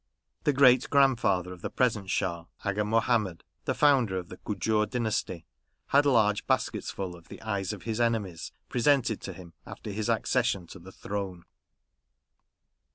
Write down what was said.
The great grandfather of the pre sent Schah, Aga Mohammed, the founder of the Kujur dynasty, had large baskets full of the eyes of his enemies presented to him after his accession to the throne.